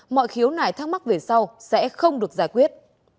mọi khiếu nải thắc mắc về sau sẽ không được giải quyết